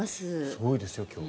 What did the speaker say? すごいですよ、今日。